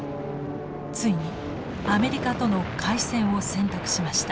ついにアメリカとの開戦を選択しました。